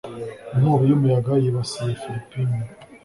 Inkubi y'umuyaga yibasiye Filipine